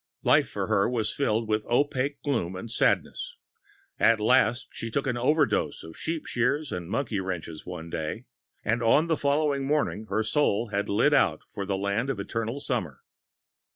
Life for her was filled with opaque gloom and sadness. At last she took an overdose of sheep shears and monkey wrenches one day, and on the following morning her soul had lit out for the land of eternal summer.